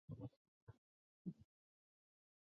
东西伯利亚海和南面的西伯利亚之间。